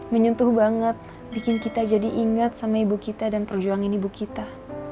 menyentuh banget bikin kita jadi ingat sama ibu kita dan perjuangan ibu kita